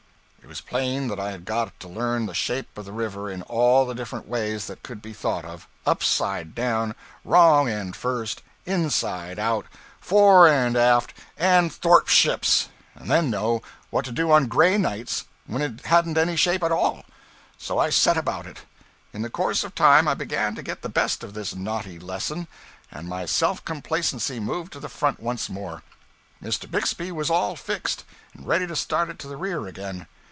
It was plain that I had got to learn the shape of the river in all the different ways that could be thought of, upside down, wrong end first, inside out, fore and aft, and 'thortships,' and then know what to do on gray nights when it hadn't any shape at all. So I set about it. In the course of time I began to get the best of this knotty lesson, and my self complacency moved to the front once more. Mr. Bixby was all fixed, and ready to start it to the rear again.